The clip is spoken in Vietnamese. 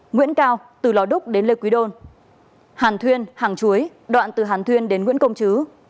nguyễn cao từ lò đúc đến lê quý đôn hàn thuyên hàng chuối đoạn từ hàn thuyên đến nguyễn công chứ